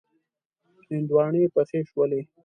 هندواڼی پخې شولې.